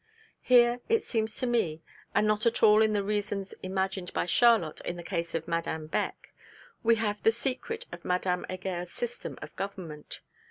Here, it seems to me, and not at all in the reasons imagined by Charlotte in the case of Madame Beck, we have the secret of Madame Heger's system of government.